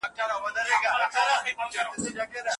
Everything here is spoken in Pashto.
له ناشتې پرته ماشوم ښوونځي ته مه لیږئ.